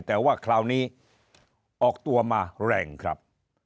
แต่ว่าคราวนี้ออกตัวมาแรงครับ